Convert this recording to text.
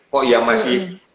kok ya masih sengaja nyiur